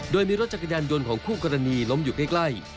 โดยมีรถจักรยานยนต์ของคู่กรณีล้มอยู่ใกล้